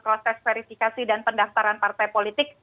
proses verifikasi dan pendaftaran partai politik